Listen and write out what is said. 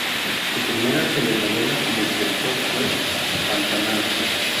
Su primera telenovela como director fue "Pantanal".